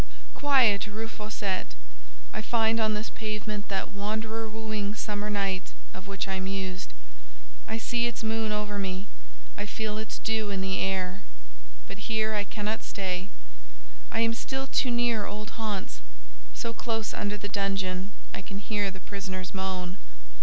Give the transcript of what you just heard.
Quiet Rue Fossette! I find on this pavement that wanderer wooing summer night of which I mused; I see its moon over me; I feel its dew in the air. But here I cannot stay; I am still too near old haunts: so close under the dungeon, I can hear the prisoners moan.